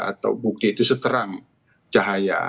atau bukit itu seterang cahaya